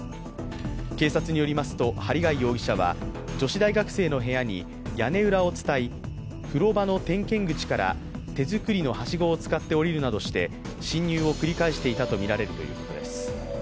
警察によりますと、針谷容疑者は女子大学生の部屋に風呂場の点検口から手作りのはしごを使って降りるなどして侵入を繰り返していたとみられるということです。